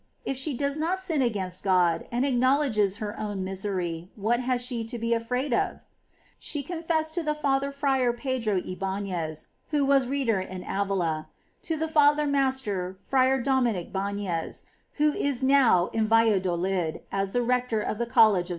If she does not sin against God, and acknowledges her own misery, what has she to be afraid of? She confessed to the Father Fra Pedro Ibariez, who was reader in Avila; to the Father Master Fra Dominic Bailes, who is now in Yalladolid as rector of the college of S.